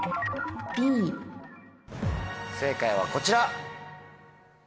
正解はこちら。